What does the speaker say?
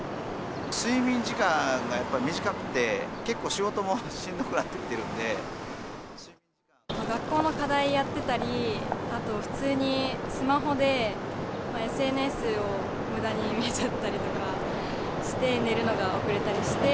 睡眠時間がやっぱり短くて結構、学校の課題やってたり、普通にスマホでＳＮＳをむだに見ちゃったりとかして、寝るのが遅れたりして。